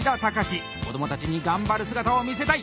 子どもたちに頑張る姿を見せたい！